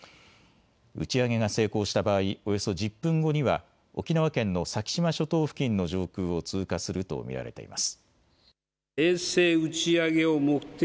打ち上げが成功した場合、およそ１０分後には沖縄県の先島諸島付近の上空を通過すると見られています。